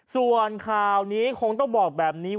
ส่วนข่าวนี้คงต้องบอกแบบนี้